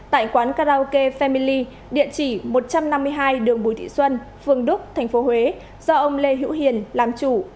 tại quán karaoke family địa chỉ một trăm năm mươi hai đường bùi thị xuân phường đức thành phố huế do ông lê hữu hiền làm chủ